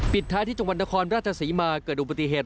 ท้ายที่จังหวัดนครราชศรีมาเกิดอุบัติเหตุ